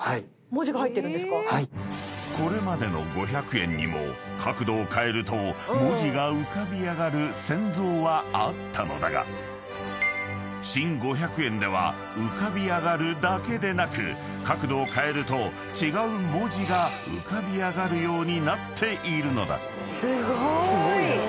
［これまでの５００円にも角度を変えると文字が浮かび上がる潜像はあったのだが新５００円では浮かび上がるだけでなく角度を変えると違う文字が浮かび上がるようになっているのだ］